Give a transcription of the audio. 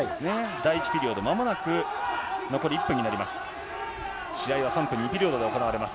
第１ピリオド、まもなく残り１分になります。